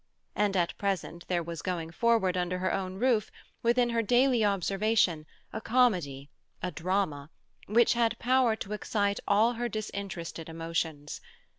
And at present there was going forward under her own roof, within her daily observation, a comedy, a drama, which had power to excite all her disinterested emotions.